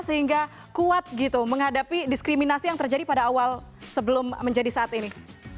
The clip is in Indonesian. sehingga kuat gitu menghadapi diskriminasi yang terjadi pada awal sebelum menjadi saat ini